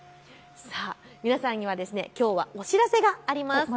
皆さんにはきょうはお知らせがあります。